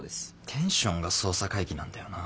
テンションが捜査会議なんだよな。